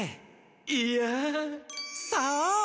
いや。さあ！